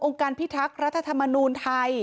การพิทักษ์รัฐธรรมนูลไทย